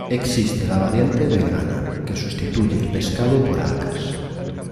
Existe la variante vegana, que sustituye el pescado por algas.